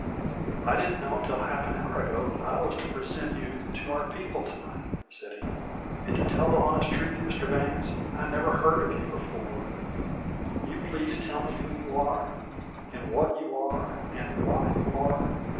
"I didn't know until half an hour ago that I was to present you to our people to night," said he, "and to tell the honest truth, Mr. Bangs, I never heard of you before. Will you please tell me who you are, and what you are, and why you are?